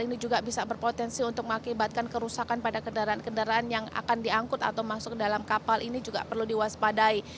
ini juga bisa berpotensi untuk mengakibatkan kerusakan pada kendaraan kendaraan yang akan diangkut atau masuk dalam kapal ini juga perlu diwaspadai